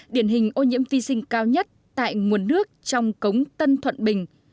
điển hình ô nhiễm vi sinh cao nhất tại nguồn nước trong cống tân thuận bình